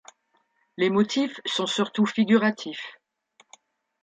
Les motifs sont surtout figuratifs.